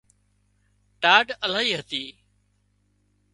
ٽاڍ الاهي هتي